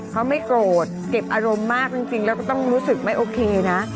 เขาไม่โกรธเก็บอารมณ์มากจริงแล้วก็ต้องรู้สึกไม่โอเคนะ